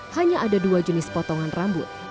hanya ada dua jenis potongan rambut